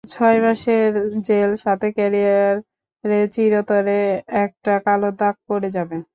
ছয় মাসের জেল, সাথে ক্যারিয়ারে চিরতরে একটা কালো দাগ পড়ে যাবে।